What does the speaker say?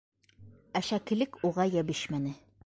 Әшәкелек уға йәбешмәне.